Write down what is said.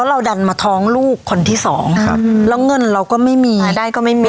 เราดันมาท้องลูกคนที่สองครับแล้วเงินเราก็ไม่มีรายได้ก็ไม่มี